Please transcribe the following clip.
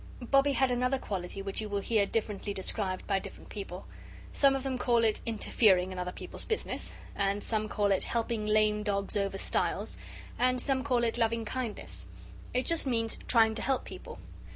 Bobbie had another quality which you will hear differently described by different people. Some of them call it interfering in other people's business and some call it "helping lame dogs over stiles," and some call it "loving kindness." It just means trying to help people.